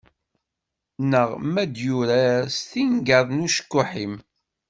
Neɣ ma ad yurar s tingaḍ n ucekkuḥ-im.